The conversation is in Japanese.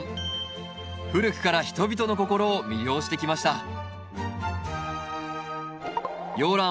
古くから人々の心を魅了してきました。